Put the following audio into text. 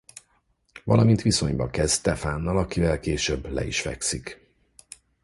Valamint viszonyba kezd Stefannal akivel később le is fekszik.